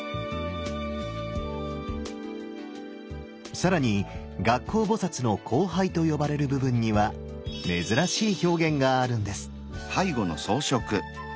更に月光菩の「光背」と呼ばれる部分には珍しい表現があるんです。